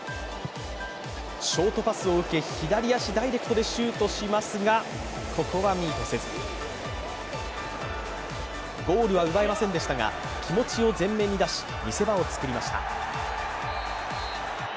ショートパスを受け、左足ダイレクトでシュートしますがここはミートせず、ゴールは奪えませんでしたが気持ちを前面に出し見せ場を作りました。